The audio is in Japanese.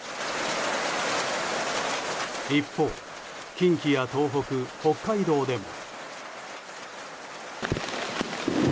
一方、近畿や東北、北海道でも。